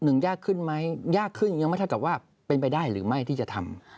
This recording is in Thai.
ยากขึ้นไหมยากขึ้นยังไม่เท่ากับว่าเป็นไปได้หรือไม่ที่จะทำ